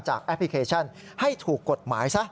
แอปพลิเคชันให้ถูกกฎหมายซะ